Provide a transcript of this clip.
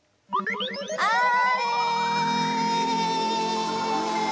あれ。